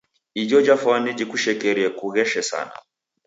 Ijo jafwane jikushekerie kugheshe sena.